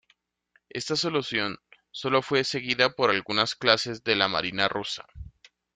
Esta solución, solo fue seguida por algunas clases de la marina rusa.